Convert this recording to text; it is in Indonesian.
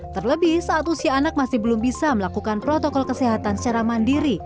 terlebih saat usia anak masih belum bisa melakukan protokol kesehatan secara mandiri